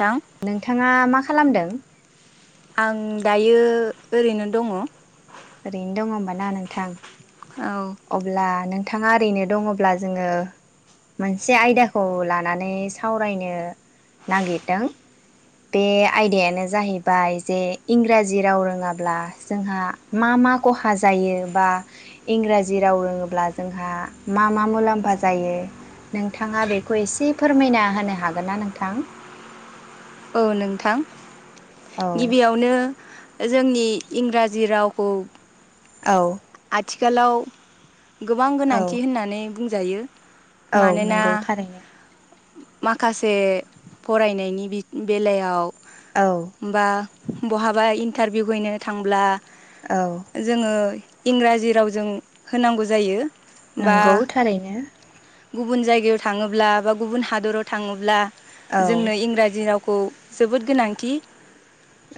थां नोंथाङा मा खालामदों। आं दायो ओरैनो दङ। ओरैनो दङ होमबा ना नोंथां? अब्ला नों? नोंथाङा ओरैनो दङब्ला जोङो मोनसे आयदाखौ लानानै सावरायनो नागिरदों बे आयदायानो जाहैबाय जे इंराजि राव रोङाब्ला जोंहा मा मा खहा जायो बा इंराजि राव रोङोब्ला जोंहा मा मा मुलाम्फा जायो नोंथाङा बेखौ एसे फोरमायना होनो हागोन ना नोंथां? औ नोंथां। औ गिबियावनो जोंनि इंराजि रावखौ। औ। आथिखालाव गोबां औ गोनांथि होननानै बुंजायो। औ मानोना नंगौ थारैनो। माखासे फरायनायनि बेलायाव औ बा बहाबा इन्टारभिउ हैनो थांब्ला औ जोङो इंराजि रावजों होनांगौ जायो। बा नंगौ थारैनो। गुबुन जायगायाव थाङोब्ला बा गुबुन हादराव थाङोब्ला। औ जोंनो इंराजि राव खौ जोबोद गोनांथि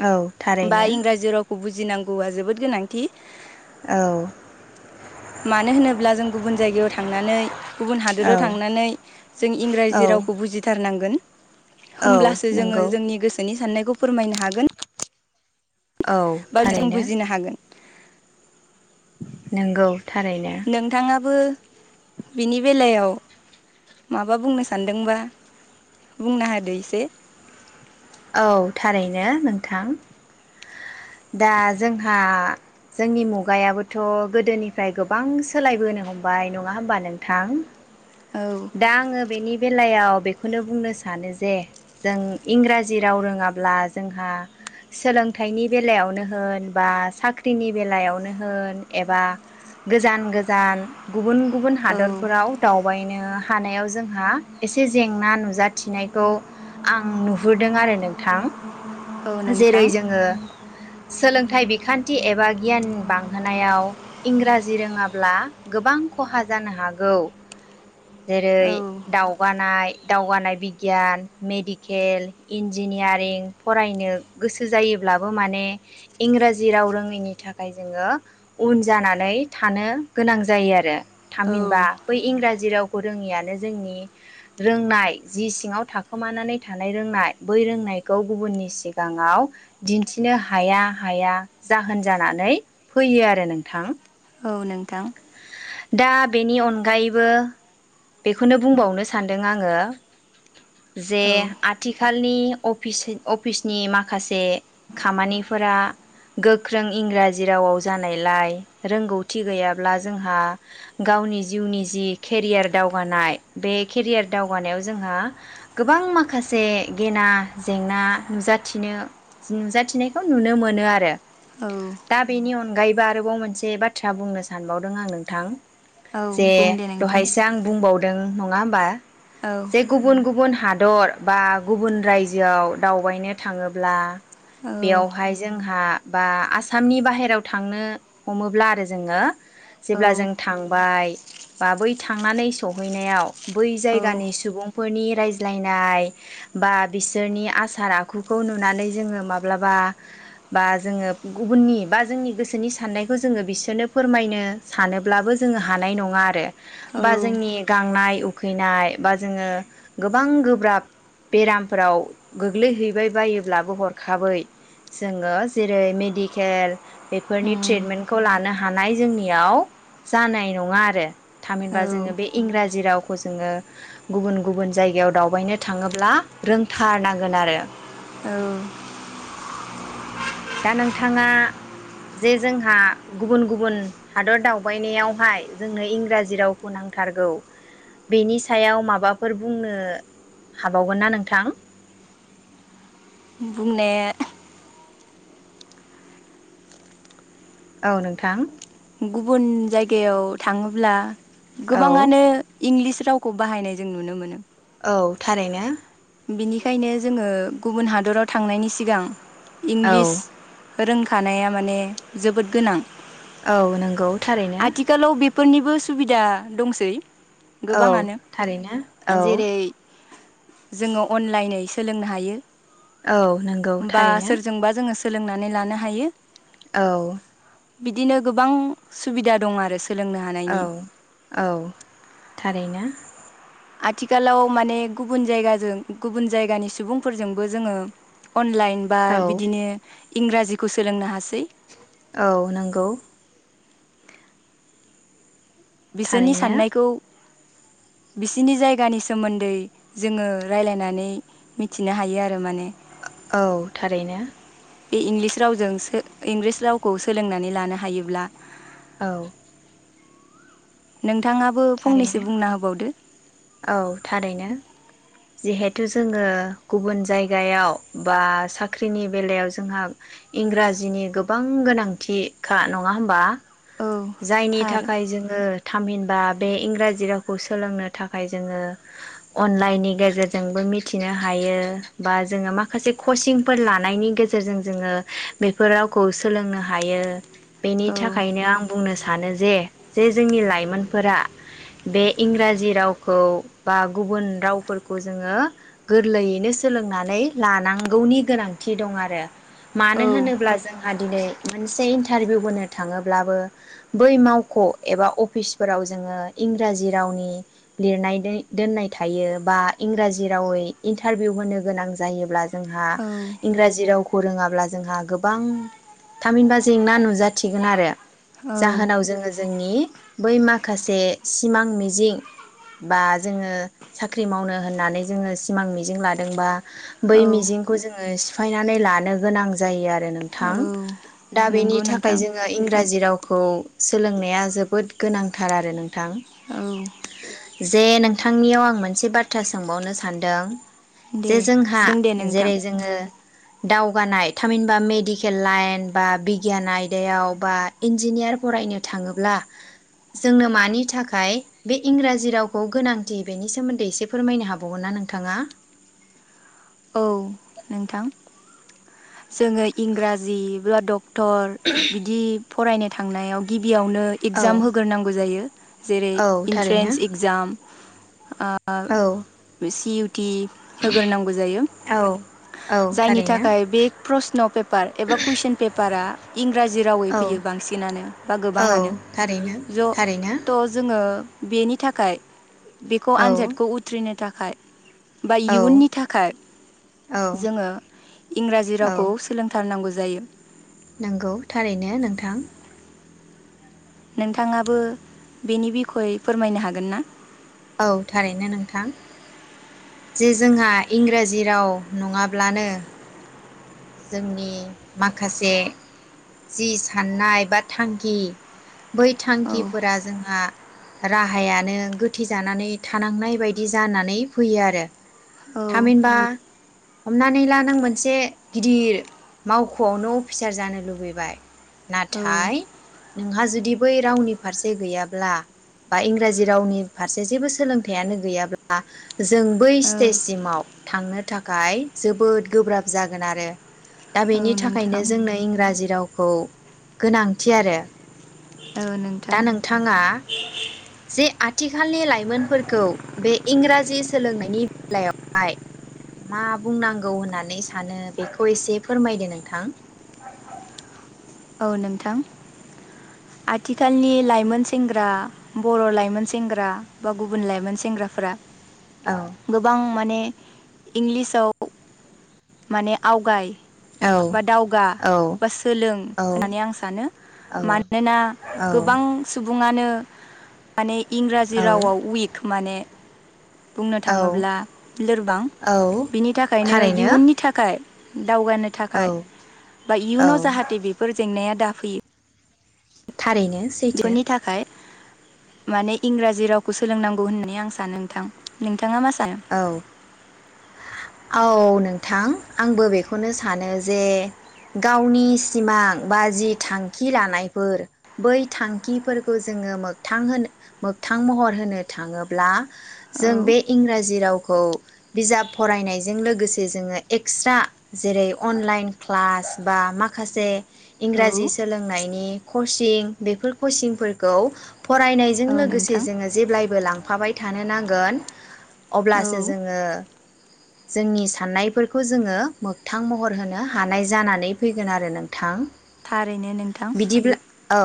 औ बा थारैनो इंराजि रावखौ बुजि बुजिनांगौआ जोबोद गोनांथि। औ मानो होनोब्ला जों गुबुन जायगायाव थांनानै गुबुन औ हादोराव थांनानै जों औ इंराजि रावखौ बुजिथारनांगोन। औ होमब्लासो जोङो नंगौ जोंनि गोसोनि साननाय। खौ फोरमायनो हागोन औ बा जों बुजिनो हागोन नोंगौ थारैनो थबो बिनि बेलायाव माबा बुंनो सानदोंबा बुंना होदो एसे औ थारैनो नोंथां दा जोंहा जोंनि मुगायाबोथ' गोदोनिफ्राय गोबां सोलायबोनो हमबाय नंआ होमबा नोंथां औ दा आङो बेनि बेलायाव बेखौनो बुंनो सानो जे जों इंराजि राव रोङाब्ला जोंहा सोलोंथाइनि बेलायावनो होन बा साख्रिनि बेलायावनो होन एबा गोजान गोजान गुबुन गुबुन औ हादरफोराव दावबायनो हानायाव जों हा एसे जेंना नुजाथिनायखौ आं नुहुरदों आरो नोंथां औ नोंथां जेरै जोङो सोलोंथाइ बिखान्थि एबा गियान बांहोनायाव इंराजि रोङाब्ला गोबां खहा जानो हागौ जेरै औ दावगानाय दावगानाय बिगियान मेडिकेल इन्जिनियारिं फरायनो गोसो जायोब्लाबो माने इंराजि राव रोङैनि थाखाय जोङो उन जानानै थानो गोनां जायो आरो औ थामहिनबा बै इंराजि राव खौ रोङियानो जोंनि रोंनाय जि सिङाव थाखोमानानै थानाय रोंनाय बै रोंनायखौ गुबुननि सिगाङाव दिन्थिनो हाया हाया जाहोन जानानै फैयो आरो नोंथां औ नोंथां दा बेनि अनगायैबो बेखौनो बुंबावनो सानदों आङो जे औ आथिखालनि अफिसिन अफिसनि माखासे खामानिफोरा गोख्रों इंराजि रावाव जानायलाय रोंगौथि गैयाब्ला जोंहा गावनि जिउनि जि केरियार दावगानाय बे केरियार दावगानायाव जोंहा गोबां माखासे गेना जेंना नुजाथिनो नुजाथिनायखौ नुनो मोनो आरो औ दा बेनि अन गायैबो आरोबाव मोनसे बाथ्रा बुंनो सानबाव दों आं नोंथां औ जे बुं दे नोंथां दहायसो आं बुंबाव दों नङा होमबा औ जे गुबुन गुबुन हादर बा गुबुन रायजोआव दावबायनो थाङोब्ला औ बेयावहाय जोंहा बा आसामनि बाहेरायाव थांनो हमोब्ला आरो जोङो जेब्ला जों औ थांबाय बा बै थांनानै सहैनायाव बै जायगानि सुबुंफोरनि रायज्लायनाय बा बिसोरनि आसार आखुखौ नुनानै जोङो माब्लाबा बा जोङो गुबुननि बा जोंनि गोसोनि साननायखौ जोङो बिसोरनो फोरमायनो सानोब्लाबो जोङो हानाय नङा आरो औ बा जोंनि गांनाय उखैनाय बा जोङो गोबां गोब्राब बेरामफ्राव गोग्लैहैबाय बायोब्लाबो हरखाबै जोङो जेरै मेडिकेल बेफोरनि उम ट्रियेटमेन्टखौ लानो हानाय जोंनि याव जानाय नङा आरो औ थामहिनबा जोङो बे इंराजि राव खौ जोङो गुबुन गुबुन जायगायाव दावबायनो थाङोब्ला रोंथारनांगोन आरो औ दा नोंथाङा जे जोंहा गुबुन गुबुन हादर दावबायनायावहाय जोंनो इंराजि रावखौ नांथारगौ बेनि सायाव माबाफोर बुंनो हाबावगोन ना नोंथां । बुंने औ नोंथां। गुबुन जायगायाव थाङोब्ला औ गोबाङानो इंलिस रावखौ बाहायनाय जों नुनो मोनो। औ थारैनो। बिनिखायनो जोङो गुबुन हादराव थांनायनि सिगां औ इंलिस रोंखानाया माने जोबोद गोनां औ नंगौ थारैनो। फोरनिबो सुबिदा दंसै औ गोबाङानो थारैनो औ। जेरै जोङो अनलाइनयै सोलोंनो हायो औ नंगौ बा थारैनो। सोरजोंबा जोङो सोलोंनानै लानो हायो औ। बिदिनो गोबां सुबिदा दं आरो सोलोंनो हानायनि औ औ थारैनो। आथिखालाव माने गुबुन जायगाजों गुबुन जायगानि सुबुंफोरजोंबो जोङो अनलाइन बा औ बिदिनो इंराजिखौ सोलोंनो हासै औ नंगौ। बिसोरनि थारैनो साननायखौ बिसिनि जायगानि सोमोन्दै जोङो रायलायनानै मिथिनो हायो आरो माने। औ थारैनो। बे इंलिस रावजोंसो इंलिस रावखौ सोलोंनानै लानो हायोब्ला औ। नों थाङाबो फंनैसो थारैनो बुंना होबावदो। थु जोङो गुबुन जायगायाव बा साख्रिनि बेलायाव जोंहा इंराजिनि गोबां गोनांथिखा नङा होनबा औ जायनि थार थाखाय जोङो थामहिनबा बे इंराजि रावखौ सोलोंनो थाखाय जोङो अनलाइननि गेजेरजोंबो मिथिनो हायो बा जोङो माखासे कचिंफोर लानायनि गेजेरजों जोङो बेफोर रावखौ सोलोंनो हायो। बेनि औ थाखायनो आं बुंनो सा सानो जे जे जोंनि लाइमोनफोरा बे इंराजि रावखौ बा गुबुन रावफोरखौ जोङो गोरलैयैनो सोलोंनानै लानांगौनि गोनांथि दं आरो औ मानो होनोब्ला जोंहा दिनै मोनसे इन्टारभिउ होनो थाङोब्लाबो बै मावख' एबा अफिसफोराव जोङो इंराजि रावनि लिरनानै दोननाय थायो बा इंराजि रावै इन्टारभिउ होनो गोनां जायोब्ला जोंहा औ इंराजि रावखौ रोङाब्ला जोंहा गोबां थामहिनबा जेंना नुजा थिगोन आरो। औ जाहोनाव जोङो जोंनि बै माखासे सिमां मिजिं बा जोङो साख्रि मावनो होननानै जोङो सिमां मिजिं लादोंबा बै औ मिजिंखौ जोङो सिफ फायनानै लानो गोनां जायो आरो रो नोंथां औ दा बेनि नंगौ थाखाय नोंथां जोङो इंराजि राव खौ सोलोंनाया जोबोद गोनांथार आरो नों थां। औ। जे नोंथांनियाव आं मोनसे बाथ्रा सोंबावनो सानदों दे जे जोंहा सों दे नोंथां जेरै जोङो दावगानाय थामहिनबा मेडिकेल लाइन बा बिगियान आयदायाव बा इन्जिनियार फरायनो थाङोब्ला जोंनो मानि थाखाय बे इंराजि रावखौ गोनांथि बेनि सोमोन्दै एसे फोरमायनो हाबावगोन ना नोंथाङा? औ नोंथां जोङो इंराजिब्ला डक डक्टर बिदि फरायनो थांनायाव गिब बियावनो औ एगजाम होग्रोनांगौ जायो। जेरै औ थारैनो इन्ट्रेन्स एक्जाम औ ओ सि इउ थि होगोरनांगौ जायो। औ औ जायनि थारैनो थाखाय बे प्रस्न' पेपार एबा कुइसन पेपारा इंराजि रावै औ फैयो बांसिनानो बा औ गोबाङानो थारैनो ज थारैनो थ' जोङो ओ बेनि थाखाय बेखौ औ आनजादखौ उथ्रिनो था खाय बा औ इयुननि थाखाय औ जोङो इंराजि औ रावखौ सोलोंथारनांगौ ज जायो। नंगौ थारैनो नोंथां। नोंथाङाबो बेनि बिखय फोरमायनो हागोन ना? औ थारैनो नोंथां। जे जोंहा इंराजि राव नङाब्लानो जोंनि माखासे जि साननाय बा थांखि बै औ थांखिफोरा जोंहा राहायानो गोथै जानानै थानांनाय बायदि जानानै फैयो आरो। औ थामहिनबा हमनानै ला नों मोनसे गिदिर मावख'आवनो अफिसार जानो लुबैबाय औ नाथाय नोंहा जुदि बै रावनि फारसे गैयाब्ला बा इंराजि रावनि फारसे जेबो सोलोंथाइयानो गैयाब्ला जों बै औ थ्टेजसिमाव थांनो थाखाय जोबोद गोब्राब जागोन आरो दा औ बेनि थाखायनो नोंथां जोंनो इंराजि रावखौ गोनांथि आरो औ नोंथां दा नोंथाङा जे आथिखालनि लाइमोनफोरखौ बे इंराजि सोलोंनायनि बेलायावहाय मा बुंनांगौ होननानै सानो बेखौ एसे फोरमायदो नोंथां? औ नोंथां आथिखालनि लाइमोन सेंग्रा बर' लाइमोन सेंग्रा बा गुबुन लाइमोन सेंग्राफोरा औ गोबां माने इंलिसाव माने आवगाय बा औ दावगा बा औ सोलों औ होननानै आं सानो औ मानोना गोबां औ सुबुङानो माने इंराजि औ रावावव उइक माने बुंनो थाङोब्ला औ लोरबां औ बिनि थाखायनो थारैनो इयुननि फाय उम दावगानो औ थाखाय बा औ इयुनाव जाहाथे बेफोर जेंनाया दाफैयो थारैनो सैथो बेफोरनि थाखाय माने इंराजि रावखौ सोलोंनांगौ होननानै आं सानो नोंथां नोंथाङा मास औ औ नों थां आंबो बेखौनो सानो जे गावनि सिमां बा जि थांखि लानायफोर बै थांखिफोरखौ जोङो मोगथां होनो मोगथां महर होनो थाङोब्ला औ जों बे इंरा जि रावखौ बिजाब फरायनायजों लोगोसे जोङो एक्सस्रा जेरै अनलाइन क्लास बा माखासे औ इंराजि सोलोंनायनि कचिं बेफोर कचिंफोरखौ फरायनायजों औ लोगोसे नोंथां जोङो जेब्लाय बो लांफाबाय थानो नांगोन। औ अब्लासो जोङो जोंनि साननायफोरखौ जोङो मोगथां महर होनो हानाय जानानै फैगोन आरो नोंथां। थारैनो नोंथां बिदिब्ला औ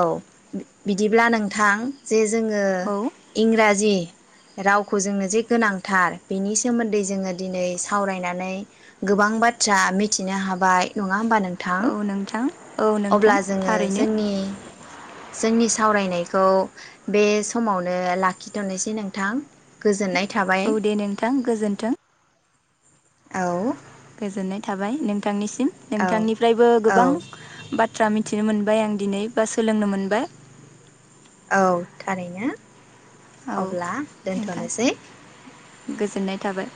बि बिदिब्ला नोंथां जे जोङो औ इंराज जि रावखौ जोंनो जे गोनां थार बेनि सोमोन्दै जोङो दिनै सावरायनानै गोबां बाथ्रा मिथिनो हाबाय नङा होमबा नों औ नोंथां। औ अब्ला नोंथां जोङो थारैनो जोंनि जोंनि सावरायनायखौ बे समावनो लाखिथ'निसै नोंथां गोजोननाय थाबाय औ दे नोंथां गोजोन्थों। औ। गोजोननाय थाबाय नोंथांनिसि औ नोंथांनिफ्रायबो औ गोबां बाथ्रा मिथि मिथिनो मोनबाय आं दिनै बा सोलोंनो मोनबाय। औ थारैनो औ अब्ला नोंथां दोन्थ'नोसै। गोजोननाय थाबाय।